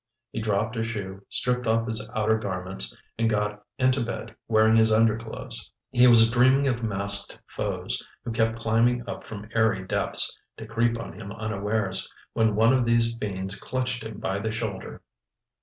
He dropped a shoe, stripped off his outer garments, and got into bed wearing his underclothes. He was dreaming of masked foes, who kept climbing up from airy depths, to creep on him unawares, when one of these fiends clutched him by the shoulder.